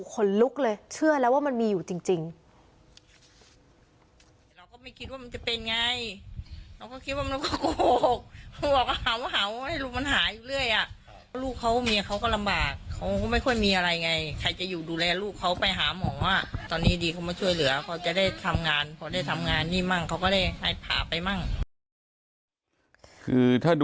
คือเหมือนเหาะมันมีน้ำยา